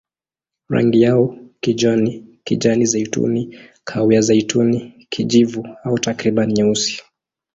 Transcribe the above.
Rangi yao kijani, kijani-zeituni, kahawia-zeituni, kijivu au takriban nyeusi.